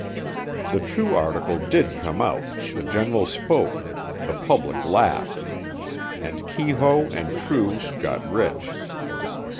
The True article did come out, the general spoke, the public laughed, and Keyhoe and True got rich.